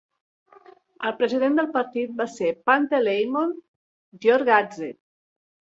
El president del partit va ser Panteleimon Giorgadze.